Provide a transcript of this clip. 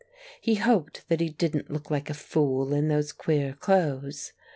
He hoped that he didn't look like a fool in those queer clothes.